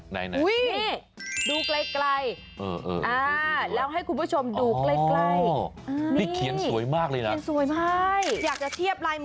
ไหนดูไกลแล้วให้คุณผู้ชมดูใกล้